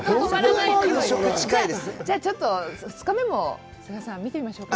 じゃあ、ちょっと２日目も須賀さん、須賀さん、見てみましょうか。